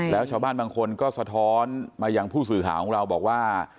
แล้วชาวบ้านบางคนก็สะท้อนมายังผู้สื่อข่าวของเราบอกว่า